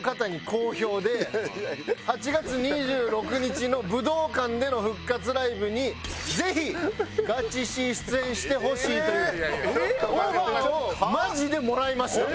８月２６日の武道館での復活ライブにぜひＧＡＣＨＩＳＥＡ出演してほしいというオファーをマジでもらいました。